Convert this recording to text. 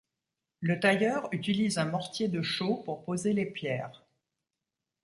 Le tailleur utilise un mortier de chaux pour poser les pierres.